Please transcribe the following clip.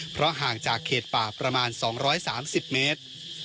เพราะห่างจากเขตป่าประมาณ๒๓๐เมตร